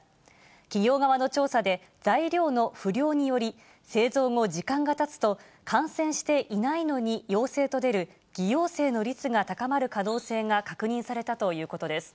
企業側の調査で、材料の不良により、製造後、時間がたつと感染していないのに陽性と出る、擬陽性の率が高まる可能性が確認されたということです。